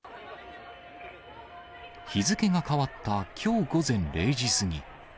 日付が変わったきょう午前０時過ぎ。